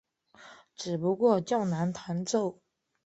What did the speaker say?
只不过较难弹奏。